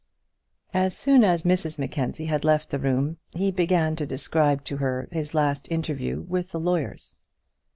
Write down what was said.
As soon as Mrs Mackenzie had left the room he began to describe to her his last interview with the lawyers.